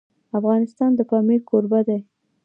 افغانستان د پامیر کوربه دی.